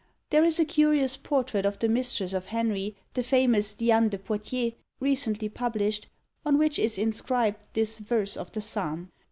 There is a curious portrait of the mistress of Henry, the famous Diane de Poictiers, recently published, on which is inscribed this verse of the Psalm.